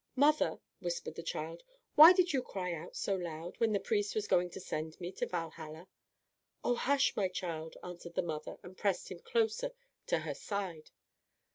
"Mother," whispered the child, "why did you cry out so loud, when the priest was going to send me to Valhalla?" "Oh, hush, my child," answered the mother, and pressed him closer to her side.